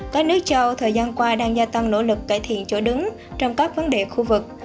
các nước châu thời gian qua đang gia tăng nỗ lực cải thiện chỗ đứng trong các vấn đề khu vực